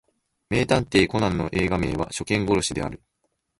名探偵コナンの映画名は初見殺しである